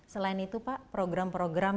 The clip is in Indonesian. selain itu pak program program